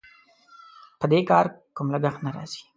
په دې کار کوم لګښت نه راځي.